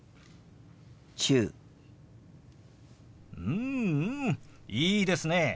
うんうんいいですね。